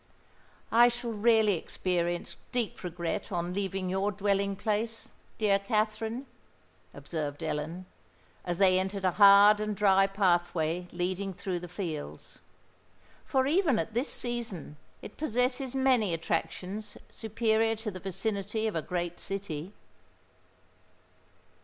"I shall really experience deep regret to leave your dwelling place, dear Katherine," observed Ellen, as they entered a hard and dry pathway leading through the fields; "for even at this season, it possesses many attractions superior to the vicinity of a great city."